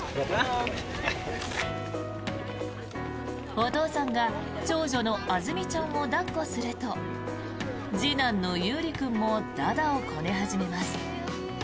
お父さんが長女の杏純ちゃんを抱っこすると次男の悠利君も駄々をこね始めます。